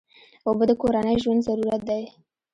اوبه د کورنۍ ژوند ضرورت دی.